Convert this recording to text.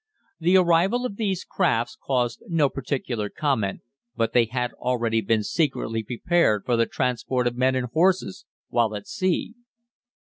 The arrival of these crafts caused no particular comment, but they had already been secretly prepared for the transport of men and horses while at sea.